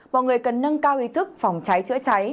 mọi người cần nâng cao ý thức phòng cháy chữa cháy